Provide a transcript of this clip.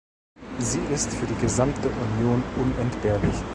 Sie ist für die gesamte Union unentbehrlich.